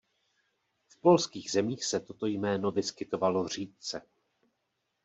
V polských zemích se toto jméno vyskytovalo řídce.